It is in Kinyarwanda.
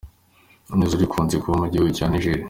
Imyuzure ikunze kuba mu gihugu cya Niger.